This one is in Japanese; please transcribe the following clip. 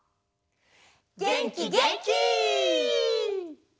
げんきげんき！